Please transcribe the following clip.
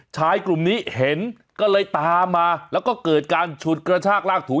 ชายกลุ่มนี้เห็นก็เลยตามมาแล้วก็เกิดการฉุดกระชากลากถู